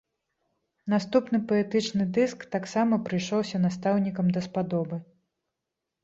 Наступны паэтычны дыск таксама прыйшоўся настаўнікам даспадобы.